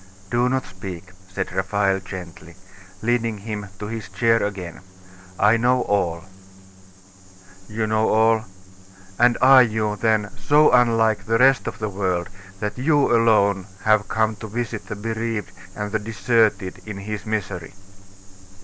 'Do not speak,' said Raphael gently, leading him to his chair again. 'I know all.' 'You know all? And are you, then, so unlike the rest of the world, that you alone have come to visit the bereaved and the deserted in his misery?